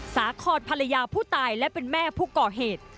สาคอนภรรยาผู้ตายและเป็นแม่ผู้ก่อเหตุ